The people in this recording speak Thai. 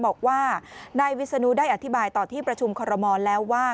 บอกว่านายวิศนุได้อธิบายต่อที่ประชุมคอรมอลแล้วว่า